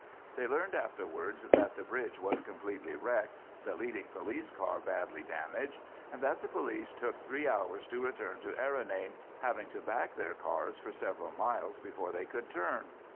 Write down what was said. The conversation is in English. They learnt afterwards that the bridge was completely wrecked, the leading police car badly damaged, and that the police took three hours to return to Errinane, having to back their cars for several miles before they could turn.